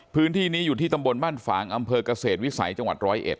พื้นที่นี้อยู่ที่ตำบลบ้านฝังอำเภอกเศษวิสัยจังหวัด๑๐๑